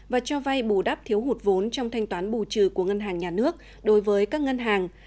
và cho vay bù đắp thiếu hụt vốn trong thanh toán bù trừ của ngân hàng nhà nước đối với các ngân hàng